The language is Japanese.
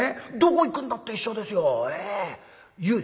湯へ行くんだって一緒ですよ。